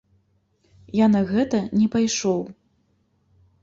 Я на гэта не пайшоў.